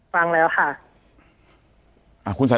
ปากกับภาคภูมิ